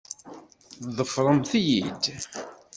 Ḍefremt-iyi-d!